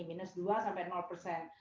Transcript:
minus dua sampai persen